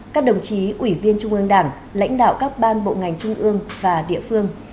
các đồng chí ủy viên trung ương đảng lãnh đạo các ban bộ ngành trung ương và địa phương